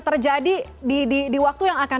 terjadi di waktu yang akan